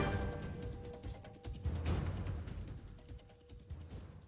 kamu balik ke